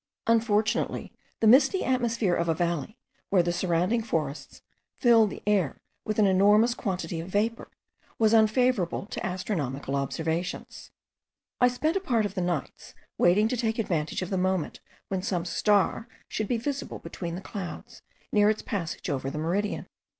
Unfortunately the misty atmosphere of a valley, where the surrounding forests fill the air with an enormous quantity of vapour, was unfavourable to astronomical observations. I spent a part of the nights waiting to take advantage of the moment when some star should be visible between the clouds, near its passage over the meridian.